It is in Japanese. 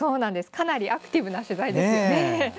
かなりアクティブな取材ですよね。